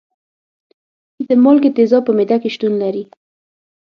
د مالګې تیزاب په معده کې شتون لري.